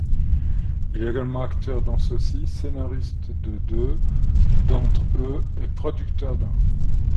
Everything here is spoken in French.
Il est également acteur dans ceux-ci, scénariste de deux d'entre eux et producteur d'un.